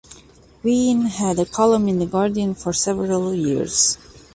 Wheen had a column in "The Guardian" for several years.